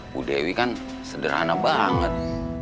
bu dewi kan sederhana banget